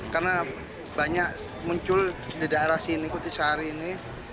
karena banyak muncul di daerah sini kutisari ini